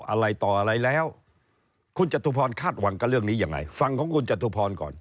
อะไรต่ออะไรแล้วคุณจตุพรคาดหวังกับเรื่องนี้ยังไงฟังของคุณจตุพรก่อน